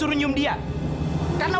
itu untuk apa